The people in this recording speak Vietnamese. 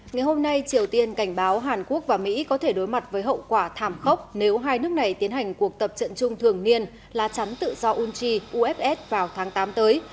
ngày hôm nay triều tiên cảnh báo hàn quốc và mỹ có thể đối mặt với hậu quả thảm khốc nếu hai nước này tiến hành cuộc tập trận chung thường niên là chắn tự do unchi ufs vào tháng tám tới